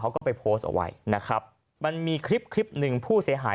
เขาก็ไปโพสต์เอาไว้นะครับมันมีคลิปคลิปหนึ่งผู้เสียหาย